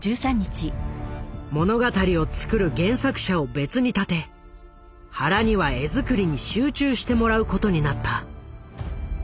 物語を作る原作者を別に立て原には絵作りに集中してもらうことになった。